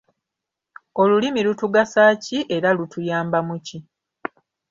Olulimi lutugasa ki era lutuyamba mu ki ?